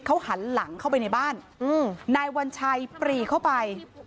เขาหันหลังเข้าไปในบ้านนายวัญชัยปรีเข้าไป